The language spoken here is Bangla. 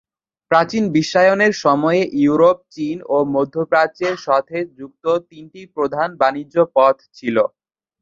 প্রাচীন বিশ্বায়নের সময়ে ইউরোপ, চীন ও মধ্যপ্রাচ্যের সাথে যুক্ত তিনটি প্রধান বাণিজ্য পথ ছিল।